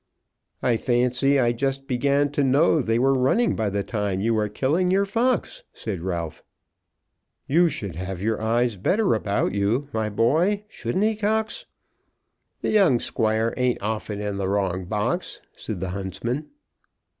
"I fancy I just began to know they were running by the time you were killing your fox," said Ralph. "You should have your eyes better about you, my boy; shouldn't he, Cox?" "The young squire ain't often in the wrong box," said the huntsman.